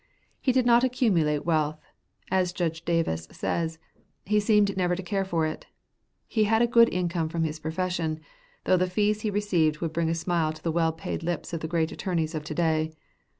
He did not accumulate wealth; as Judge Davis said, "He seemed never to care for it." He had a good income from his profession, though the fees he received would bring a smile to the well paid lips of the great attorneys of to day.